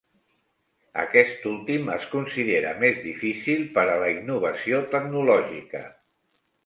Aquest últim es considera més difícil per a la innovació tecnològica.